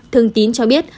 thương tín cho biết